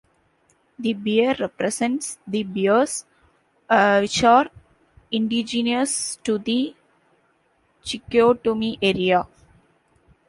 The bear represents the bears which are indigenous to the Chicoutimi area.